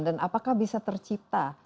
dan apakah bisa tercipta